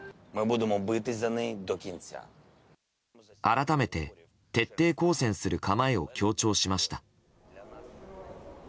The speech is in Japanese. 改めて徹底抗戦する構えを強調しました。